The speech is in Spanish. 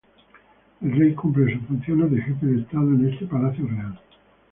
El Rey cumple sus funciones de Jefe de Estado en este Palacio Real.